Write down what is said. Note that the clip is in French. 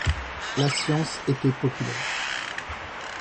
La Science était populaire.